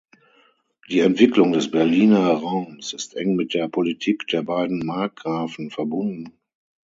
Die Entwicklung des Berliner Raums ist eng mit der Politik der beiden Markgrafen verbunden.